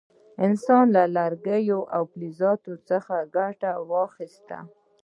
انسان له لرګیو او فلزاتو څخه ګټه واخیسته.